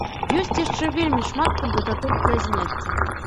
Ёсць яшчэ вельмі шмат кандыдатур для зняцця.